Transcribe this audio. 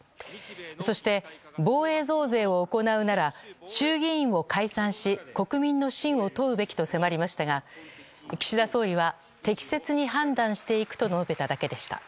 そして、防衛増税を行うなら衆議院を解散し、国民の信を問うべきと迫りましたが岸田総理は適切に判断していくと述べただけでした。